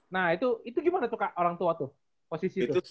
nah itu gimana tuh kak orang tua tuh posisi tuh